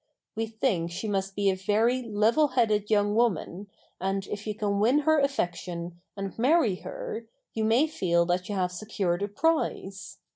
We think she must be a very level headed young woman, and if you can win her affection and marry her you may feel that you have secured a prize.